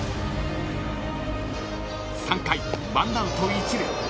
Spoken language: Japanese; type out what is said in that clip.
［３回１アウト１塁］